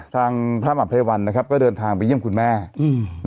ทางพระมหาภัยวันนะครับก็เดินทางไปเยี่ยมคุณแม่อืม